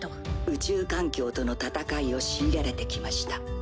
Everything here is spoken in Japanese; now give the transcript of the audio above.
宇宙環境との戦いを強いられてきました。